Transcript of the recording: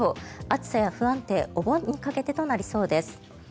暑さや不安定お盆にかけてとなりそうです。